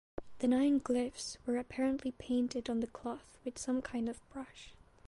The nine glyphs were apparently painted on the cloth with some kind of brush.